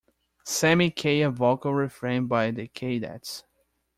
Sammy Kaye Vocal refrain by The Kaydets.